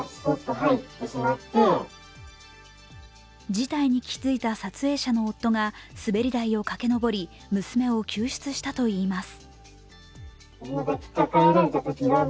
事態に気付いた撮影者の夫が滑り台を駆け上り娘を救出したといいます。